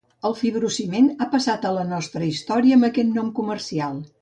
El fibrociment ha passat a la nostra història amb aquest nom comercial.